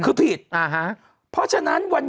ถูกต้องถูกต้อง